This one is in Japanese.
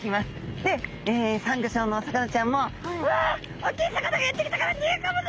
でサンギョ礁のお魚ちゃんも「うわおっきい魚がやって来たから逃げ込むぞ！」